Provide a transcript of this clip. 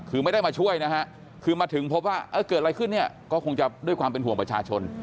คือไม่ได้มาช่วยนะฮะคือมาถึงพบว่าเกิดอะไรขึ้นเนี่ยก็คงจะด้วยความเป็นห่วงประชาชน